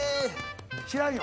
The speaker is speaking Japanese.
知らんよ。